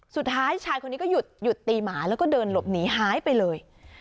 สุดท้ายชายคนนี้ก็หยุดตีหมาแล้วก็เดินหลบหนีหายไปเลย